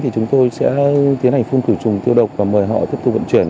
thì chúng tôi sẽ tiến hành khuôn khủy trùng tiêu độc và mời họ tiếp tục vận chuyển